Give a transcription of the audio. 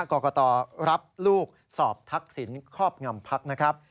กรกตรับลูกสอบทักษิณครอบงำพักนะครับ